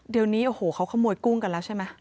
เดี๋ยวนี้โอ้โหเขาขโมยกุ้งกันแล้วใช่ไหม